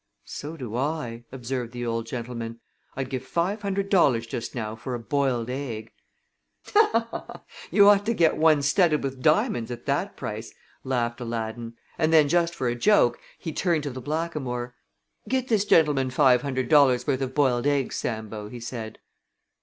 "So do I," observed the old gentleman. "I'd give five hundred dollars just now for a boiled egg." "You ought to get one studded with diamonds at that price," laughed Aladdin, and then just for a joke he turned to the blackamoor. "Get this gentleman five hundred dollars' worth of boiled eggs, Sambo," he said.